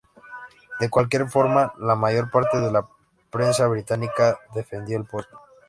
De cualquier forma, la mayor parte de la prensa británica defendió "El pozo".